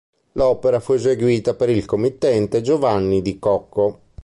L'opera fu eseguita per il committente Giovanni di Cocco.